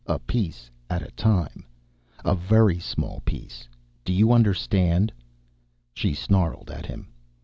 A piece at a time a very small piece do you understand?" She snarled at him.